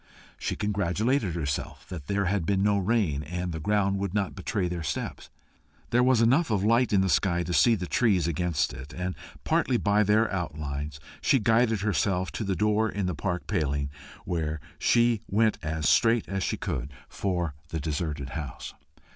She congratulated herself that there had been no rain, and the ground would not betray their steps. There was enough of light in the sky to see the trees against it, and partly by their outlines she guided herself to the door in the park paling, whence she went as straight as she could for the deserted house.